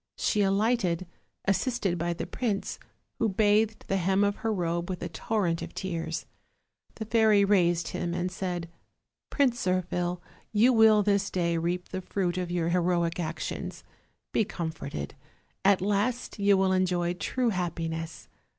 She alighted, assisted by the prince, who bathed the hem of her robe with a torrent of tears. The fairy raised him and said: "Prince Zirphil, you will this day reap the fruit of your heroic actions. Be comforted; at last you will enjoy true happiness.